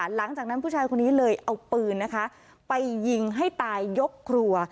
หลังจากนั้นผู้ชายคนนี้เลยเอาปืนนะคะไปยิงให้ตายยกครัว